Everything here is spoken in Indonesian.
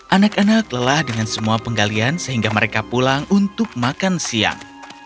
anak anak lelah dengan semua penggalian sehingga mereka pulang untuk makan siang